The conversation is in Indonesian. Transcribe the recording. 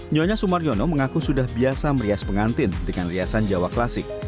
nyonya sumaryono mengaku sudah biasa merias pengantin dengan riasan jawa klasik